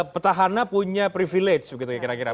petahana punya privilege begitu ya kira kira